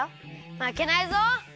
まけないぞ！